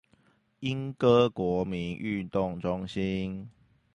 鶯歌國民運動中心